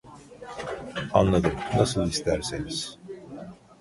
Anladım, nasıl isterseniz.